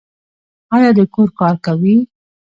ایا د کور کار کوي؟